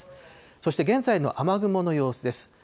そして現在の雨雲の様子です。